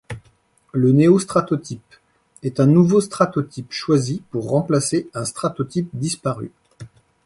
Le néostratotype est un nouveau stratotype choisi pour remplacer un stratotype disparu.